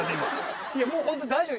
いやもうほんと大丈夫。